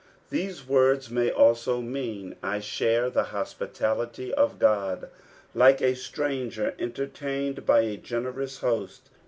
These words may also mean, "I share the hospitality of God," like a stranger entertuned by a i^aerous host.